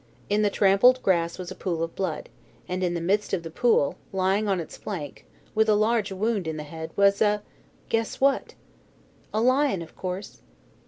In the trampled grass was a pool of blood, and in the midst of the pool, lying on its flank, with a large wound in the head, was a guess what? "A lion, of course!"